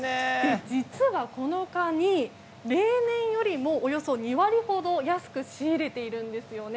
実は、このカニ例年よりもおよそ２割ほど安く仕入れているんですよね。